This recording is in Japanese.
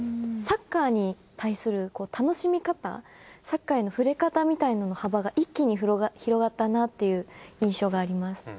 サッカーに対する楽しみ方サッカーへの触れ方みたいなものの幅が一気に広がったなっていう印象があります。